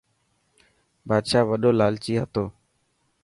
بادشاهه وڏو لالچي هتو.